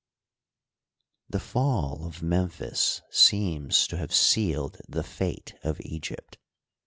— The fall of Memphis seems to have sealed the fate of Egypt.